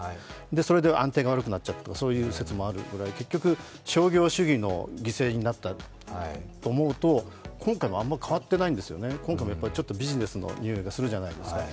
それで安定が悪くなっちゃったとかそういう説もあるぐらい、結局商業主義の犠牲になったと思うと今回もあまり変わっていないんですよね、今回もやっぱりビジネスの匂いがするじゃないですか。